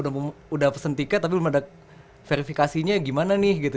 untuk saya kok udah pesen tiket tapi belum ada verifikasinya gimana nih gitu